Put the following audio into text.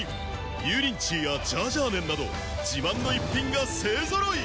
油淋鶏やジャージャー麺など自慢の逸品が勢揃い！